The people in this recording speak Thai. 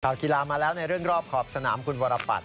ข่าวคีลามาแล้วในเรื่องรอบขอบสนามคุณวารปัชน์